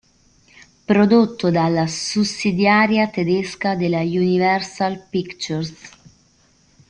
Prodotto dalla sussidiaria tedesca della Universal Pictures.